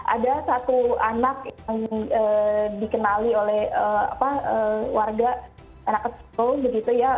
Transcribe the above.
ada satu anak yang dikenali oleh warga anak kecil begitu ya